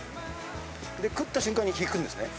で食った瞬間に引くんですね？